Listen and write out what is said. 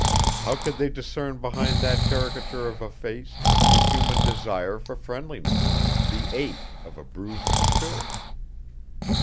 How could they discern behind that caricature of a face the human desire for friendliness, the ache of a bruised spirit?